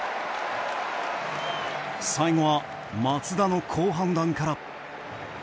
最後は松田の好判断から。